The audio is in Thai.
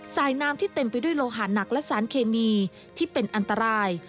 น้ำที่เต็มไปด้วยโลหะหนักและสารเคมีที่เป็นอันตราย